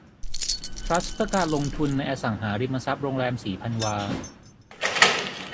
ทรัสต์เพื่อการลงทุนในอสังหาริมทรัพย์โรงแรมศรีพันวา